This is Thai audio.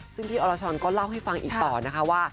ซึ่งพี่อรชรก็เล่าให้ฟังอีกต่อนะคะว่า